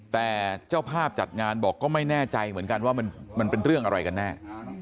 แต่เจ้าภาพจัดงานบอกก็ไม่แน่ใจเหมือนกันว่ามันเป็นเรื่องอะไรกันแน่